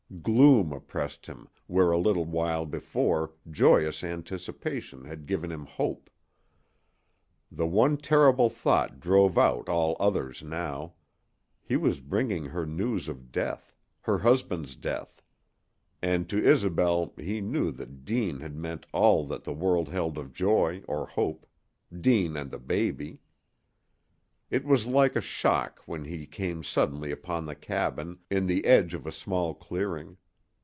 Gloom oppressed him where a little while before joyous anticipation had given him hope. The one terrible thought drove out all others now he was bringing her news of death, her husband's death. And to Isobel he knew that Deane had meant all that the world held of joy or hope Deane and the baby. It was like a shock when he came suddenly upon the cabin, in the edge of a small clearing.